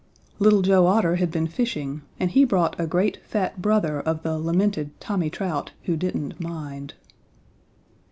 Little Joe Otter had been fishing and he brought a great fat brother of the lamented Tommy Trout, who didn't mind.